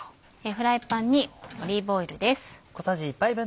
フライパンにオリーブオイルです。